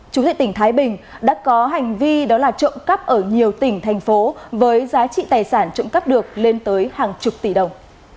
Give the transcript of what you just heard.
trú tại tỉnh thái bình đã có hành vi trộm cắp ở nhiều tỉnh thành phố với giá trị tài sản trộm cắp được lên tới hàng chục tỷ đồng